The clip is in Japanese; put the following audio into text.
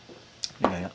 いやいや。